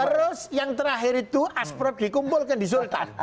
terus yang terakhir itu asprof dikumpulkan di sultan